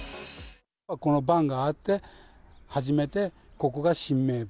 この板があって、初めてここが神明橋。